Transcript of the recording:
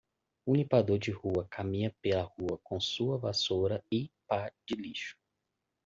Um limpador de rua caminha pela rua com sua vassoura e pá de lixo.